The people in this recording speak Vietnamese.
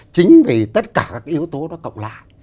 chính vì tất cả các yếu tố nó cộng lại